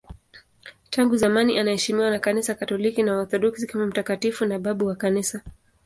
Tangu zamani anaheshimiwa na Kanisa Katoliki na Waorthodoksi kama mtakatifu na babu wa Kanisa.